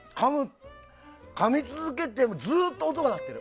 かみ続けてるとずっと音が鳴ってる。